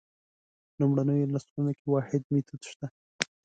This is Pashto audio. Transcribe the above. لومړنیو نسلونو کې واحد میتود شته.